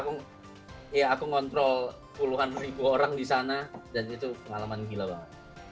aku ya aku ngontrol puluhan ribu orang di sana dan itu pengalaman gila banget